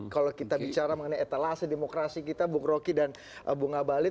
kalau kita bicara mengenai etalase demokrasi kita bung rocky dan bung abalin